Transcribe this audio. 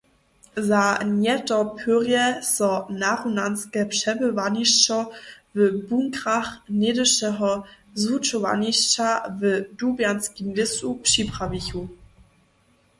Za njetopyrje so narunanske přebywanišća w bunkrach něhdyšeho zwučowanišća w Dubjanskim lěsu připrawichu.